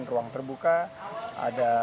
ruang terbuka ada